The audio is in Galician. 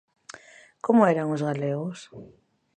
Como eran os galegos?